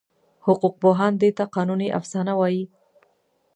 حقوقپوهان دې ته قانوني افسانه وایي.